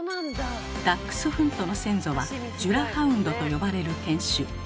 ダックスフントの先祖はジュラ・ハウンドと呼ばれる犬種。